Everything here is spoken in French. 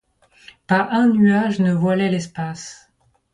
Pas un nuage ne voilait l’espace.